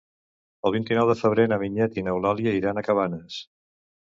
El vint-i-nou de febrer na Vinyet i n'Eulàlia iran a Cabanes.